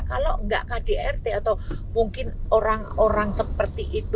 kalau nggak kdrt atau mungkin orang orang seperti itu